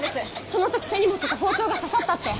そのとき手に持ってた包丁が刺さったって。